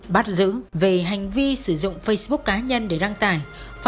bắt giữ về hành vi sử dụng facebook cá nhân để đăng tải